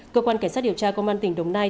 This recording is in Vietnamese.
cơ quan cảnh sát điều tra công an tỉnh đồng nai